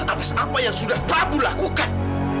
atas apa yang sudah prabu lakukan